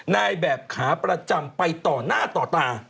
นายแบบขาประจำไปต่อหน้าต่อตา